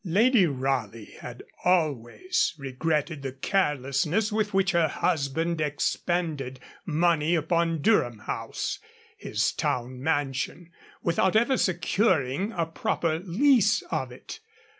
Lady Raleigh had always regretted the carelessness with which her husband expended money upon Durham House, his town mansion, without ever securing a proper lease of it.